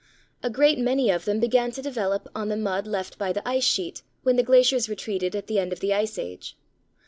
A great many of them began to develop on the mud left by the ice sheet when the glaciers retreated at the end of the Ice Age.